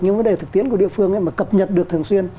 những vấn đề thực tiễn của địa phương mà cập nhật được thường xuyên